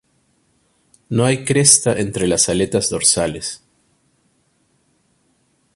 No hay cresta entre las aletas dorsales.